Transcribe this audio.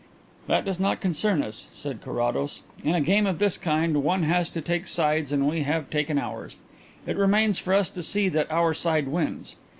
"That does not concern us," said Carrados. "In a game of this kind one has to take sides and we have taken ours. It remains for us to see that our side wins.